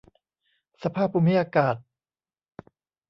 สภาพภูมิอากาศ